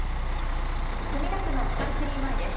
墨田区のスカイツリー前です。